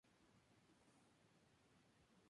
Están presentes en otoño y primavera.